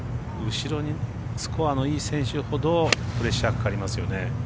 スコアのいい選手ほどプレッシャーかかりますよね。